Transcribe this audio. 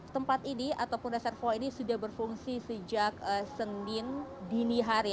tempat ini ataupun reservoir ini sudah berfungsi sejak senin dini hari